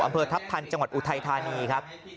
อำเภอทัพทันจังหวัดอุทัยธานีครับ